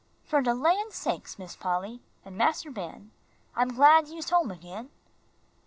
"Fer de lan's sakes, Miss Polly an' Mas'r Ben I'm glad youse home again."